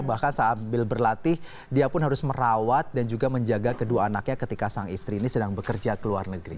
bahkan sambil berlatih dia pun harus merawat dan juga menjaga kedua anaknya ketika sang istri ini sedang bekerja ke luar negeri